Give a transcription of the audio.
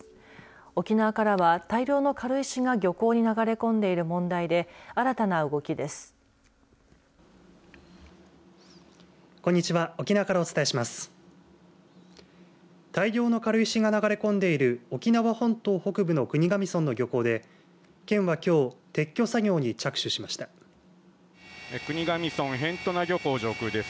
沖縄からは大量の軽石が漁港に流れ込んでいる問題で新たな動きです。